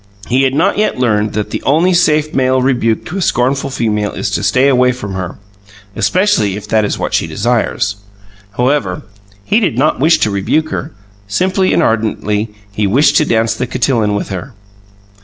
He had not yet learned that the only safe male rebuke to a scornful female is to stay away from her especially if that is what she desires. However, he did not wish to rebuke her; simply and ardently he wished to dance the cotillon with her.